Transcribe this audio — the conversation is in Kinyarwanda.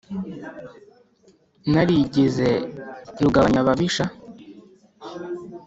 Narigize Rugabanyababisha.